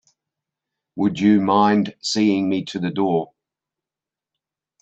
Would you mind seeing me to the door?